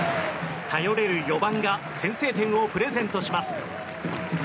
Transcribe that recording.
頼れる４番が先制点をプレゼントします。